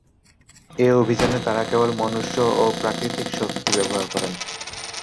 এ অভিযানে তারা কেবল মনুষ্য ও প্রাকৃতিক শক্তি ব্যবহার করেন।